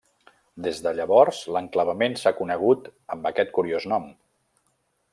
Des de llavors, l'enclavament s'ha conegut amb aquest curiós nom.